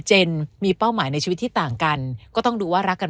นมีเป้าหมายในชีวิตที่ต่างกันก็ต้องดูว่ารักกัน